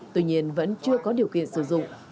tuy nhiên vẫn chưa có điều kiện sử dụng